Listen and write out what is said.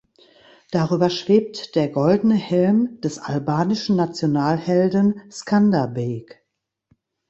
Darüber schwebt der goldene Helm des albanischen Nationalhelden Skanderbeg.